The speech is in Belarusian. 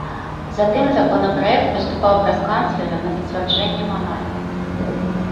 Затым законапраект паступаў праз канцлера на зацвярджэнне манарху.